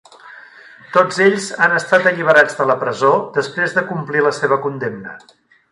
Tots ells han estat alliberats de la presó després de complir la seva condemna.